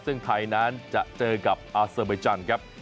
ซึ่งไทยนั้นจะเจอกับอาเซอร์ใบจันทร์ครับ